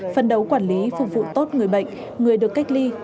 phân đấu quản lý phục vụ tốt người bệnh người được cách ly